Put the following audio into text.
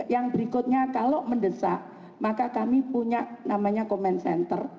yang berikutnya kalau mendesak maka kami punya namanya comment center